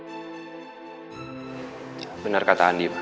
tapi mama gak bisa membenci riri karena perbuatan papanya